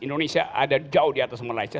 indonesia ada jauh di atas malaysia